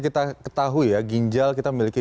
kita ketahui ya ginjal kita memiliki